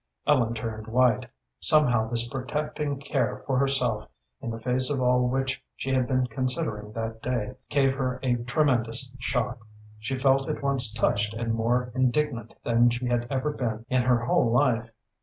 Ellen turned white. Somehow this protecting care for herself, in the face of all which she had been considering that day, gave her a tremendous shock. She felt at once touched and more indignant than she had ever been in her whole life.